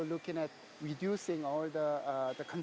barang yang bisa digunakan di pejabat